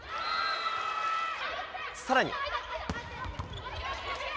さらに。